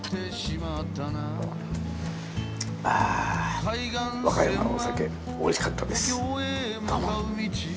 和歌山のお酒おいしかったですどうも。